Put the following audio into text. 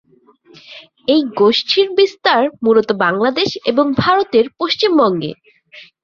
এই গোষ্ঠীর বিস্তার মূলত বাংলাদেশ এবং ভারতের পশ্চিমবঙ্গে।